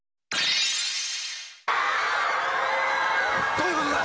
どういうことだ？